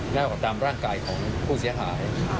แล้วก็ตามร่างกายของผู้เสียหาย